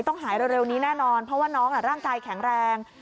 ต้องหายเร็วนี้แน่นอนเพราะว่าน้องร่างกายแข็งแรง